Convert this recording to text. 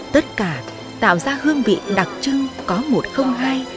tất cả tạo ra hương vị đặc trưng có một không hai